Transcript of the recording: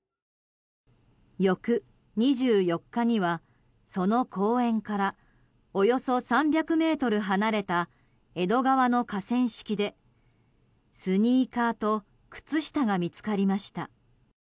翌２４日には、その公園からおよそ３００ｍ離れた江戸川の河川敷で、スニーカーと靴下が見つかりました。